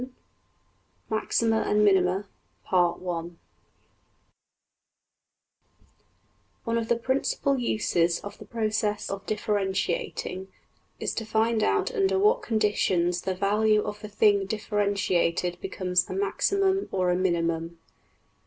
png}% \Chapter{XI}{Maxima and Minima} \First{One} of the principal uses of the process of differentiating is to find out under what conditions the value of the thing differentiated becomes a maximum, or a minimum.